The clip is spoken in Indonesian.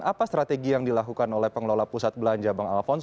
apa strategi yang dilakukan oleh pengelola pusat belanja bang alphonse